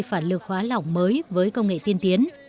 và sản phẩm mới với công nghệ tiên tiến